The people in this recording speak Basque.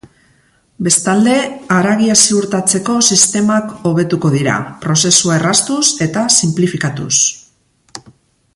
Bestalde, haragia ziurtatzeko sistemak hobetuko dira, prozesua erraztuz eta sinplifikatuz.